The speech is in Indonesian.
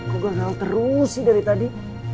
gue gagal terus sih dari tadi